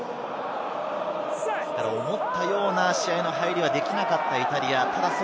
思ったような試合の入りはできなかったイタリア。